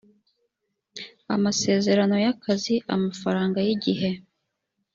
amasezerano y’akazi amafaranga y’igihe